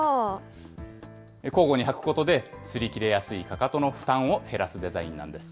交互にはくことで、すり切れやすいかかとの負担を減らすデザインなんです。